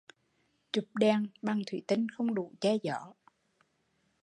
Chụp đèn bằng thủy tinh không đủ che gió